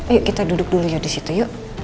ayo kita duduk dulu yuk di situ yuk